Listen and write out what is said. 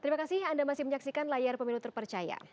terima kasih anda masih menyaksikan layar pemilu terpercaya